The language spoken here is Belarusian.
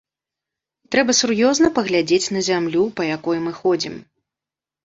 Трэба сур'ёзна паглядзець на зямлю, па якой мы ходзім.